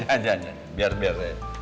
jangan jangan biar biar saya